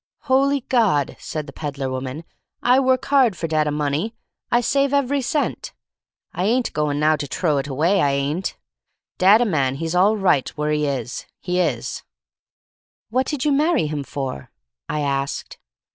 "Holy God!" said the peddler woman. "I work hard for dat a money. I save ev'ry cent. I ain't go'n now to t'row it away — I ain't. Dat a man, he's all right w'ere he is — he is." "What did you marry him for?" I asked.